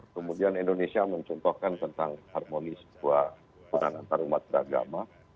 kemudian indonesia mencontohkan tentang harmonis sebuah peran antarumat beragama